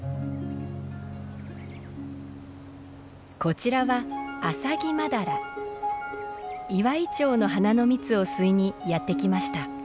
こちらはイワイチョウの花の蜜を吸いにやって来ました。